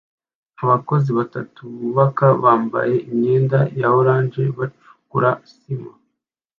Abakozi batatu bubaka bambaye imyenda ya orange bacukura sima